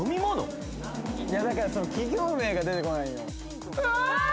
いやだからその企業名が出てこないんようわ！